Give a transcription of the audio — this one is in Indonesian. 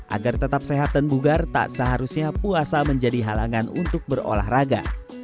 agar tetap sehat dan bugar tak seharusnya puasa menjadi halangan untuk berolahraga